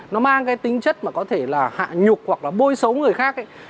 nó mang cái tính chất mà có thể là hạ nhục hoặc là bôi xấu người khác ấy